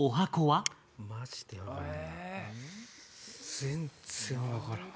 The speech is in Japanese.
全然分からん。